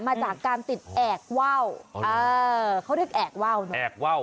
มาจากการติดแอกว่าวเออเขาเรียกแอกว่าวนะแอกว่าว